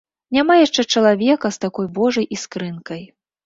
Няма яшчэ чалавека з такой божай іскрынкай.